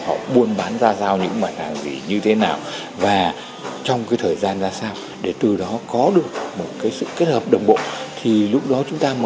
họ buôn bán ra giao những mặt hàng gì như thế nào và trong cái thời gian ra sao để từ đó có được một cái sự kết hợp đồng bộ